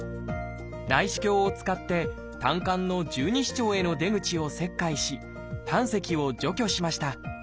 内視鏡を使って胆管の十二指腸への出口を切開し胆石を除去しました。